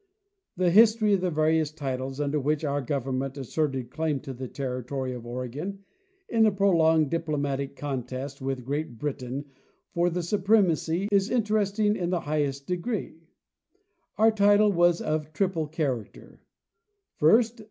The history of the various titles under which our government asserted claim to the territory of Oregon in the prolonged diplo matic contest with Great Britain for the supremacy is interest ing in the highest degree. Our title was of a triple character : First.